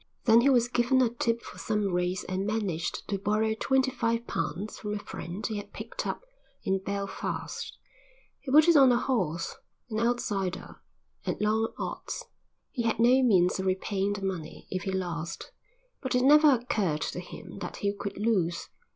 Then he was given a tip for some race and managed to borrow twenty five pounds from a friend he had picked up in Belfast. He put it on the horse, an outsider, at long odds. He had no means of repaying the money if he lost, but it never occurred to him that he could lose.